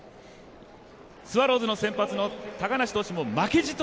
スワローズの先発の高梨投手の負けじと